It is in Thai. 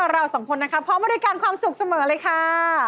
เราสองคนพร้อมมาด้วยการความสุขเสมอเลยค่ะ